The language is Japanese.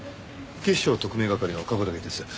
警視庁特命係の冠城です。